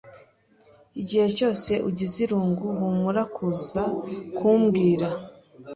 Igihe cyose ugize irungu, humura kuza kumbwira.